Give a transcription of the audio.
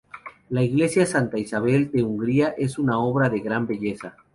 La Iglesia Santa Isabel de Hungría es una obra de gran belleza.